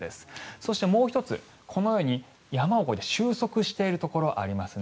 そして、もう１つこのように山を収束しているところがありますね。